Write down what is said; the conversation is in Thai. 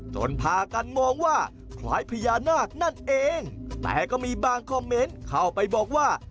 พากันมองว่าคล้ายพญานาคนั่นเองแต่ก็มีบางคอมเมนต์เข้าไปบอกว่า